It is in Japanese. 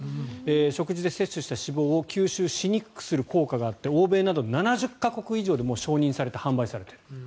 食事で摂取した脂肪を吸収しにくくする効果があって欧米など７０か国以上で承認・販売されている。